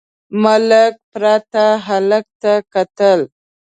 ملک پراته هلک ته کتل….